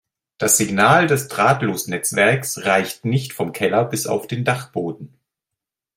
Das Signal des Drahtlosnetzwerks reicht nicht vom Keller bis auf den Dachboden.